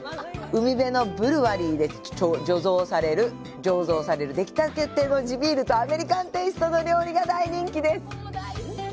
海辺のブルワリーで醸造されるできたての地ビールとアメリカンテイストの料理が人気です。